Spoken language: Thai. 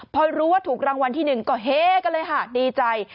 พอรู้ว่าถูกรางวัลที่๑ก็เฮกันเลยค่ะดีใจ